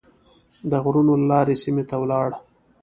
د غرونو له لارې سیمې ته ولاړ.